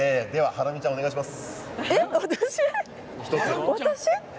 ハラミちゃん１曲、お願いします！